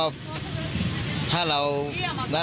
ว่ามันพิเศษยังไง